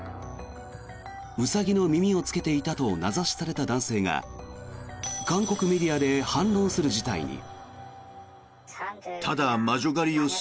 ウサギの耳をつけていたと名指しされた男性が韓国メディアで反論する事態に。